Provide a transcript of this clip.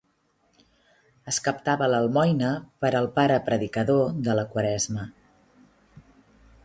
Es captava l’almoina per al pare predicador de la Quaresma.